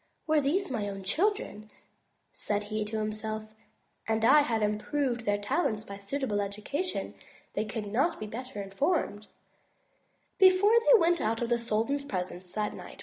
"Were these my own children," said he to himself, "and I had improved their 74 THE TREASURE CHEST talents by suitable education, they could not be better informed/' Before they went out of the sultan's presence that night.